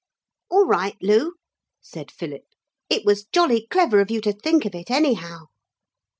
'All right, Lu,' said Philip. 'It was jolly clever of you to think of it anyhow.'